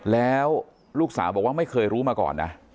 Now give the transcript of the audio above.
แล้วลูกสาวบอกว่าไม่เคยรู้มาก่อนนะ